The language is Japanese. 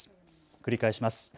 繰り返します。